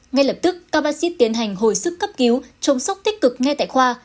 ngay lập tức các bác sĩ tiến hành hồi sức cấp cứu chống sốc tích cực ngay tại khoa